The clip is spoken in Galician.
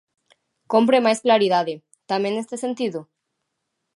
Cómpre máis claridade, tamén neste sentido?